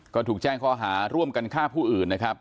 ก็ถูกแจ้งข้อหาร่วมกันฆ่าผู้อื่นนะครับ